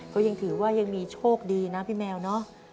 ก็ยังถือว่ายังมีโชคดีนะพี่แมวเนอะ